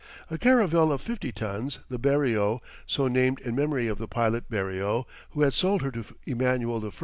A caravel of 50 tons, the Berrio, so named in memory of the pilot Berrio, who had sold her to Emmanuel I.